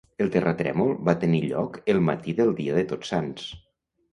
El terratrèmol va tenir lloc el matí del dia de Tots Sants.